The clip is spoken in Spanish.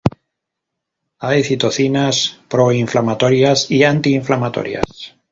Hay citocinas proinflamatorias y antiinflamatorias.